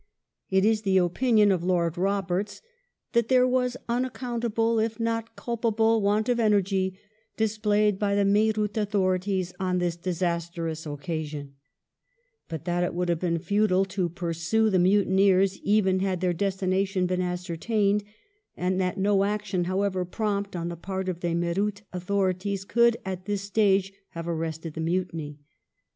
It is the opinion of Lord Roberts that " there W6is unaccountable, if not culpable, want of energy dis played by the Meerut authorities on this disastrous occasion ": but that it would have been futile to pursue the mutineers, even had their destination been ascertained, and that no action however prompt on the part of the Meerut authorities could, at this stage, have arrested the mutiny.